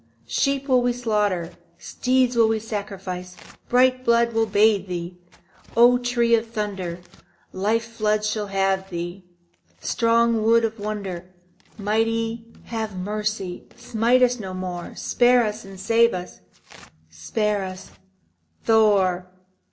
Sheep will we slaughter, Steeds will we sacrifice; Bright blood shall bathe thee, O tree of Thunder, Life floods shall lave thee, Strong wood of wonder. Mighty, have mercy, Smite us no more, Spare us and save us, Spare us, Thor!